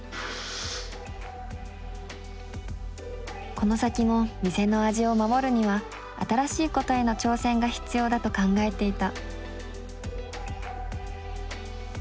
この先も店の味を守るには新しいことへの挑戦が必要だと考えていた。